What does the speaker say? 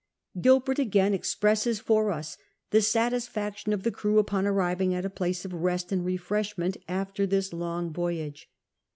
Gilbert again expresses for us the satisfaction of the crew upon arriving at a place of rest and refreshment after this long voyage.